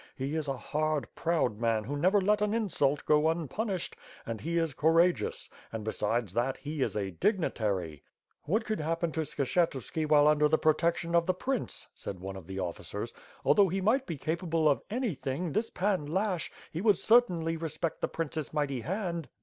He is a hard, proud man who never let an insult go unpunished, and he is coura geous; and, besides that, he is a 'dignitary.' " "What could happen to Skshetuski while under the pro tection of the prince?" said one of the officers, "although he might be capable of anything this Pan Lashch, he would cer tainly respect the prince's mighty hand."